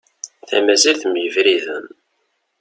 Tamazirt mm yebriden.